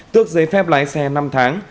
tước giấy phép lái xe năm tháng